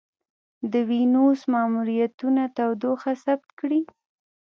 د وینوس ماموریتونه تودوخه ثبت کړې.